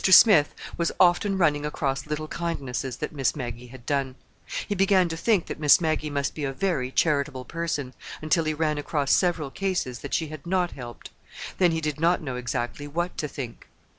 Smith was often running across little kindnesses that Miss Maggie had done. He began to think that Miss Maggie must be a very charitable person—until he ran across several cases that she had not helped. Then he did not know exactly what to think.